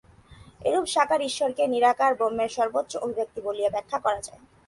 এরূপ সাকার ঈশ্বরকে নিরাকার ব্রহ্মেরই সর্বোচ্চ অভিব্যক্তি বলিয়া ব্যাখ্যা করা যায়।